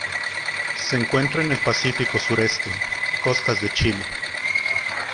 Se encuentra en el Pacífico sureste, costas de Chile.